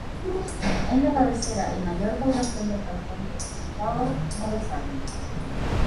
Es la cabecera y mayor población del cantón de Castifao-Morosaglia.